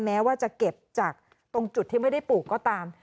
แม้ว่าจะเก็บจากตรงจุดที่ไม่ได้ปลูกก็ตาม